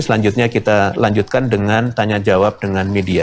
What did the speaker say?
selanjutnya kita lanjutkan dengan tanya jawab dengan media